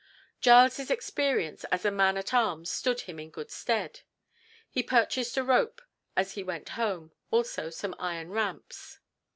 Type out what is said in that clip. Giles's experience as a man at arms stood him in good stead. He purchased a rope as he went home, also some iron ramps.